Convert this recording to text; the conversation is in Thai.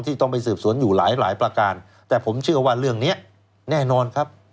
ต้องไปสืบสวนอยู่หลายหลายประการแต่ผมเชื่อว่าเรื่องนี้แน่นอนครับ